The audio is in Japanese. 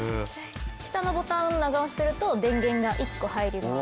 下のボタンを長押しすると電源が１個入ります。